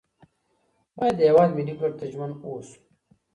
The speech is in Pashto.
باید د هیواد ملي ګټو ته ژمن اوسو.